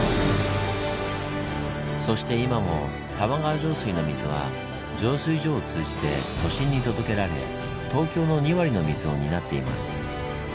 そして今も玉川上水の水は浄水場を通じて都心に届けられ東京の２割の水を担っています。